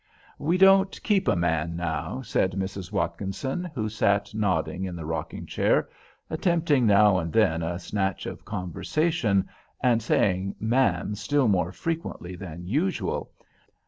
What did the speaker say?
"We don't keep a man now," said Mrs. Watkinson, who sat nodding in the rocking chair, attempting now and then a snatch of conversation, and saying "ma'am" still more frequently than usual.